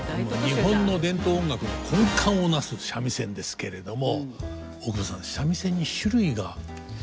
日本の伝統音楽の根幹を成す三味線ですけれども大久保さん三味線に種類があるって知ってますか？